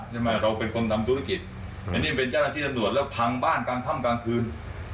เราเป็นคนทำธุรกิจอันนี้เป็นเจ้าหน้าที่ตำรวจแล้วพังบ้านกลางค่ำกลางคืน